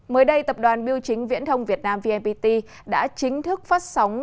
mới đây tập đoàn biêu chính viễn thông việt nam vnpt đã chính thức phát sóng